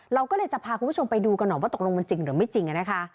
เราก็เลยจะพาคุณผู้ชมไปดูกันหน่อยว่าตกลงมันจริงหรือไม่จริงนะคะ